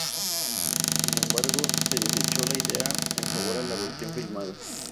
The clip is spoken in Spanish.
Sin embargo se desechó la idea en favor de la versión filmada.